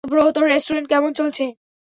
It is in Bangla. ব্রো, তোর রেস্টুরেন্ট কেমন চলছে?